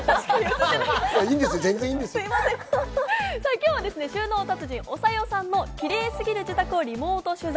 今日は収納達人・おさよさんのキレイすぎる自宅をリモート取材。